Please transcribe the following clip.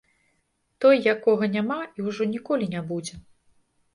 Той, якога няма і ўжо ніколі не будзе.